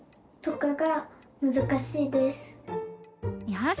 よし！